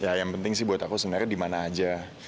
ya yang penting sih buat aku sebenarnya dimana aja